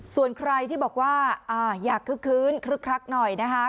ส่วนใครที่บอกว่าอยากคึกคืนคึกคลักหน่อยนะคะ